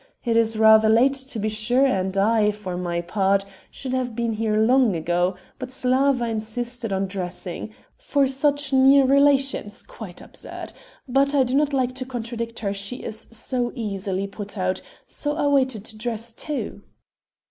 It is rather late, to be sure, and I, for my part, should have been here long ago, but Slawa insisted on dressing for such near relations! Quite absurd ... but I do not like to contradict her, she is so easily put out so I waited to dress too."